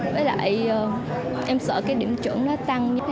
với lại em sợ cái điểm chuẩn nó tăng